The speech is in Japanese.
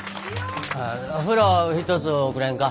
お風呂ひとつおくれんか。